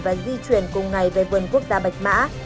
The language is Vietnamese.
và di chuyển cùng ngày về vườn quốc gia bạch mã